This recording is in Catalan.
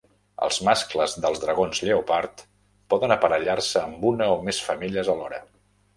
Els mascles dels dragons lleopard poden aparellar-se amb una o més femelles alhora.